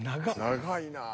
［長いなぁ］